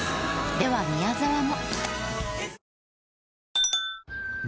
では宮沢も。